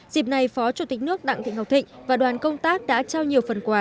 dịp này phó chủ tịch nước đặng thị ngọc thịnh và đoàn công tác đã trao nhiều phần quà